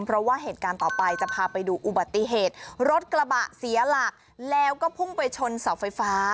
เพราะว่าเหตุการณ์ต่อไปจะพาไปดูอุบัติเหตุรถกระบะเสียหลักแล้วก็พุ่งไปชนเสาไฟฟ้า